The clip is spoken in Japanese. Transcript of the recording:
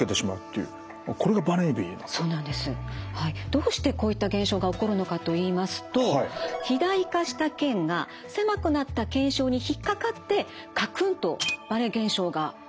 どうしてこういった現象が起こるのかといいますと肥大化した腱が狭くなった腱鞘に引っ掛かってかくんとばね現象が起こるんです。